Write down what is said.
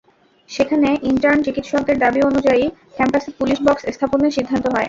সেখানে ইন্টার্ন চিকিৎসকদের দাবি অনুযায়ী ক্যাম্পাসে পুলিশ বক্স স্থাপনের সিদ্ধান্ত হয়।